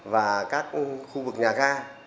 và các khu vực nhà ga